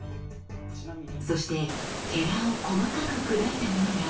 そしてを細かく砕いたものが。